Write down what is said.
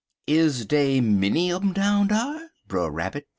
"'Is dey many un um down dar, Brer Rabbit?'